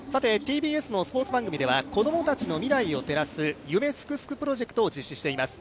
ＴＢＳのスポーツ番組では、子供たちの未来を照らす夢すくすくプロジェクトを実施しています。